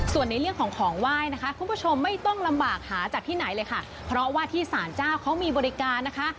ส่วนในเรื่องของของไหว้นะคะคุณผู้ชมไม่ต้องลำบากหาจากที่ไหนเลยค่ะเพราะว่าที่สารเจ้าเขามีบริการนะคะ